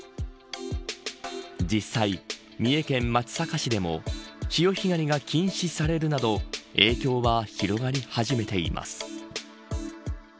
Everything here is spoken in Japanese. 実際、三重県松阪市でも潮干狩りが禁止されるなど影響は広がり始めています。